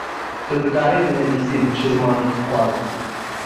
Tu dikarî binîvisî bi çi zimanî tu dixwazî.